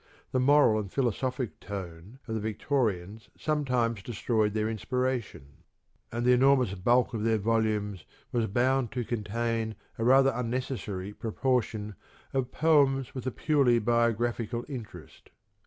The moral and philosophic tone of the Victorians sometimes de stroyed their inspiration ; and the enormous bulk of their volumes was bound to contain a rather unneces sary proportion of " poems with a purely biographical interest."